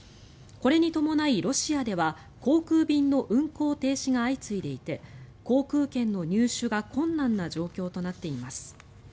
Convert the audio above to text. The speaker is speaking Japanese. これに伴い、ロシアでは航空便の運航停止が相次いでいて航空券の入手が困難な状況となっています。